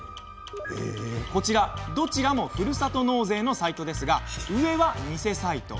こちら、どちらもふるさと納税のサイトですが上は偽サイト。